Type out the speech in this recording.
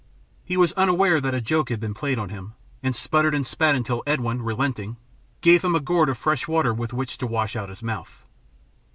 He was unaware that a joke had been played on him, and spluttered and spat until Edwin, relenting, gave him a gourd of fresh water with which to wash out his mouth.